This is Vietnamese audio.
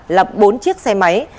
lập bốn chiếc xe máy